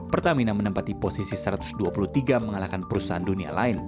pertamina menempati posisi satu ratus dua puluh tiga mengalahkan perusahaan dunia lain